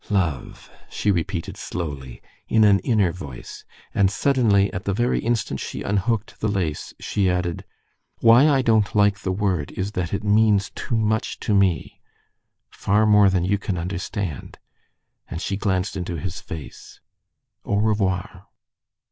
"Love," she repeated slowly, in an inner voice, and suddenly, at the very instant she unhooked the lace, she added, "Why I don't like the word is that it means too much to me, far more than you can understand," and she glanced into his face. "_Au revoir!